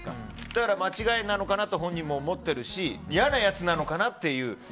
だから間違いなのかなと本人も思ってるし嫌なやつなのかなという。